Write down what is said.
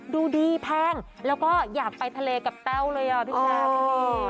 ดูดีแพงแล้วก็อยากไปทะเลกับแต้วเลยอ่ะพี่แจ๊ค